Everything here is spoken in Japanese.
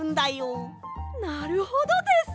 なるほどです！